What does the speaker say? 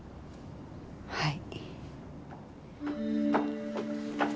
はい。